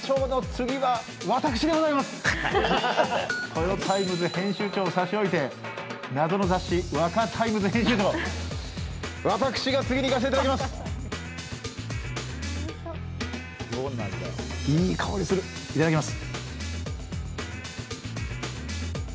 「トヨタイムズ」編集長を差し置いて、謎の雑誌「ワカタイムズ」編集長、私がいかせていただきます。